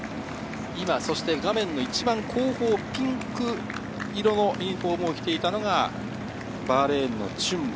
画面の一番後方、ピンク色のユニホームを着ていたのが、バーレーンのチュンバ。